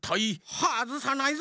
はずさないぞ！